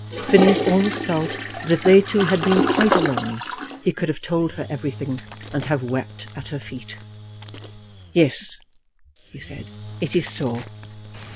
Phineas almost felt that if they two had been quite alone he could have told her everything, and have wept at her feet. "Yes," he said, "it is so."